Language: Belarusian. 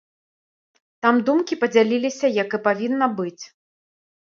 Там думкі падзяліліся, як і павінна быць.